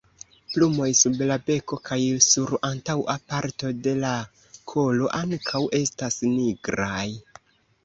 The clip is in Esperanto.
Plumoj sub la beko kaj sur antaŭa parto de la kolo ankaŭ estas nigraj.